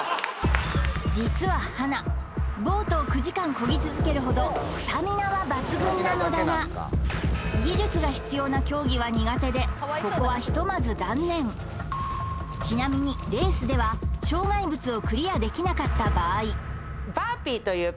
実ははなボートを９時間こぎ続けるほどスタミナは抜群なのだが技術が必要な競技は苦手でここはひとまず断念ちなみにレースではがあります